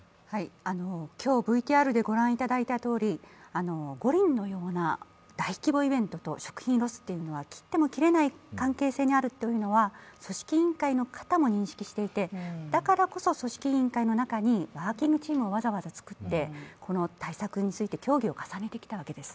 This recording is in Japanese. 今日ＶＴＲで御覧いただいたとおり、五輪のような大規模イベントと食品ロスというのは、切っても切れない関係性にあるというのは組織委員会の方も認識していて、だからこそ組織委員会の中にワーキングチームをわざわざ作って対策について協議を重ねてきたわけです。